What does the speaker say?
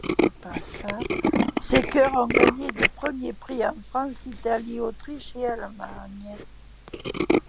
Ses chœurs ont gagné des premiers prix en France, Italie, Autriche, et Allemagne.